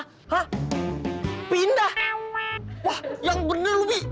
hah pindah wah yang bener loh bi